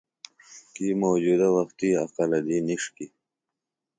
کی موجودہ وختی اقلہ دی نِݜکیۡ